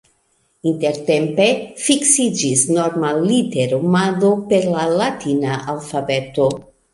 Intertempe fiksiĝis norma literumado per la latina alfabeto.